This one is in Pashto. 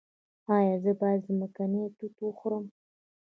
ایا زه باید ځمکنۍ توت وخورم؟